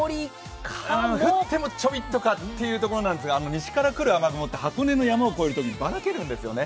降ってもちょびっとかというところなんですが箱根の山を越えるときバラけるんですよね。